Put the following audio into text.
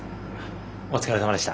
お疲れさまでした。